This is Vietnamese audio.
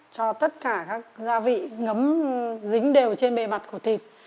cho tất cả các gia vị ngấm dính đều trên bề mặt của thịt